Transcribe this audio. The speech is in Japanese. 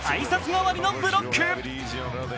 代わりのブロック。